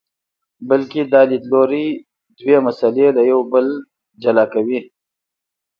بلکې دا لیدلوری دوه مسئلې له یو بل جلا کوي.